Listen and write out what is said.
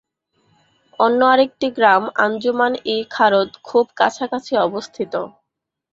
অন্য আরেকটি গ্রাম আঞ্জুমান-ই-খারদ খুব কাছাকাছি অবস্থিত।